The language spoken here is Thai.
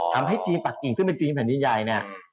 ทำให้จีนปรักกิงซึ่งเป็นจีนแผนดินยายเนี่ย